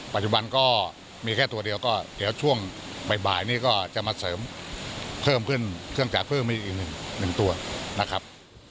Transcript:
ปัจจุบันก็มีแค่ตัวเดียวก็เดี๋ยวช่วงบ่ายนี้ก็จะมาเสริมเพิ่มขึ้นเครื่องจากเพิ่มไปอีกหนึ่งตัวนะครับ